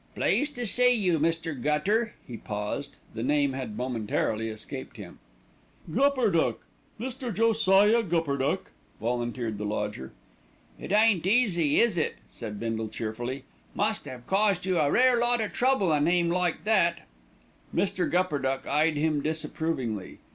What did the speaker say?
"Pleased to see you, Mr. Gutter " He paused, the name had momentarily escaped him. "Gupperduck, Mr. Josiah Gupperduck," volunteered the lodger. "It ain't easy, is it?" said Bindle cheerfully. "Must 'ave caused you a rare lot o' trouble, a name like that." Mr. Gupperduck eyed him disapprovingly.